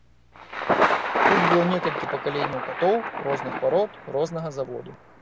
Тут было некалькі пакаленняў катоў розных парод, рознага заводу.